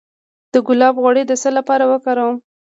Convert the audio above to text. د ګلاب غوړي د څه لپاره وکاروم؟